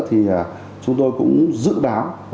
thì chúng tôi cũng dự đáo